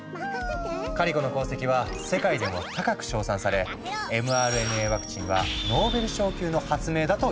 カリコの功績は世界でも高く賞賛されｍＲＮＡワクチンは「ノーベル賞級の発明！」だといわれている。